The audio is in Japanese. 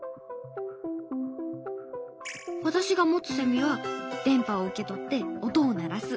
私が持つセミは電波を受け取って音を鳴らす。